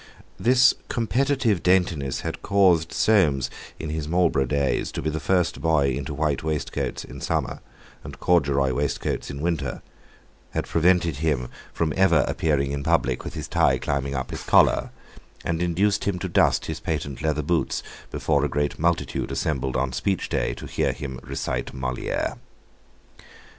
This competitive daintiness had caused Soames in his Marlborough days to be the first boy into white waistcoats in summer, and corduroy waistcoats in winter, had prevented him from ever appearing in public with his tie climbing up his collar, and induced him to dust his patent leather boots before a great multitude assembled on Speech Day to hear him recite Molière.